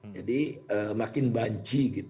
jadi makin banci